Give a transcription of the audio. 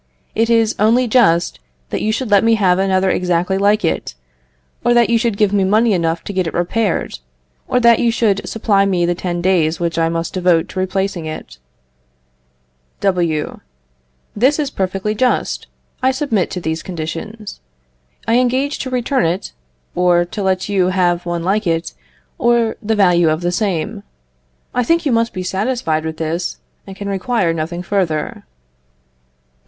It is only just, that you should let me have another exactly like it; or that you should give me money enough to get it repaired; or that you should supply me the ten days which I must devote to replacing it. W. This is perfectly just. I submit to these conditions. I engage to return it, or to let you have one like it, or the value of the same. I think you must be satisfied with this, and can require nothing further.